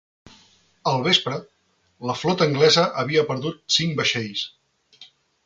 Al vespre, la flota anglesa havia perdut cinc vaixells.